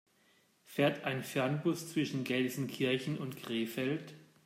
Fährt ein Fernbus zwischen Gelsenkirchen und Krefeld?